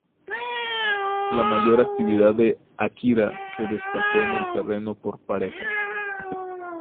La mayor actividad de Akira se destacó en el terreno por parejas.